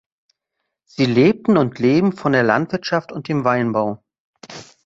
Sie lebten und leben von der Landwirtschaft und dem Weinbau.